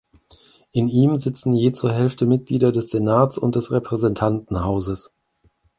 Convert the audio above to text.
In ihm sitzen je zur Hälfte Mitglieder des Senats und des Repräsentantenhauses.